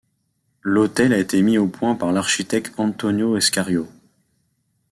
L'hôtel a été mis au point par l'architecte Antonio Escario.